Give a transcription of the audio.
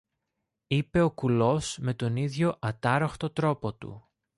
είπε ο κουλός με τον ίδιο ατάραχο τρόπο του